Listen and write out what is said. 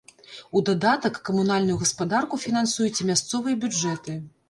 У дадатак, камунальную гаспадарку фінансуюць і мясцовыя бюджэты.